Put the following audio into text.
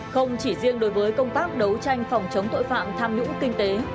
không chỉ riêng đối với công tác đấu tranh phòng chống tội phạm tham nhũng kinh tế